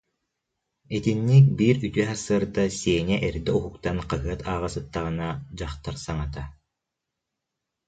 Итинник биир үтүө сарсыарда Сеня эрдэ уһуктан хаһыат ааҕа сыттаҕына, дьахтар саҥата: